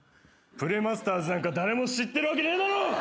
『プレマスターズ』なんか誰も知ってるわけねえだろ！